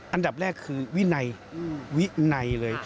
อันดับแรกคือวินัยวินัยเลย